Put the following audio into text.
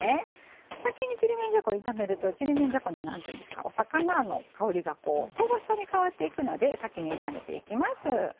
先にちりめんじゃこを炒めるとちりめんじゃこの魚の香りが香ばしさに変わっていくので先に炒めていきます。